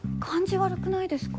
悪くないですか？